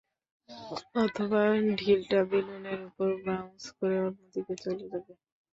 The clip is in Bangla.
অথবা ঢিলটা বেলুনের ওপর বাউন্স করে অন্য দিকে চলে যাবে।